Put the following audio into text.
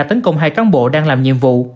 tấn công hai cán bộ đang làm nhiệm vụ